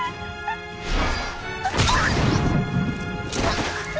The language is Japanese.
あっ！！